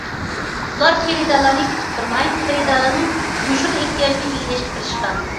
ئۇلار خېرىدارلارنى كۈتۈپ تۇرماي، خېرىدارلارنىڭ يوشۇرۇن ئېھتىياجىنى ئىگىلەشكە تىرىشقان.